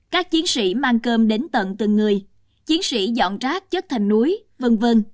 các chiến sĩ mang cơm đến tận từng người chiến sĩ dọn rác chất thành núi v v